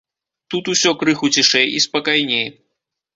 Тут усё крыху цішэй і спакайней.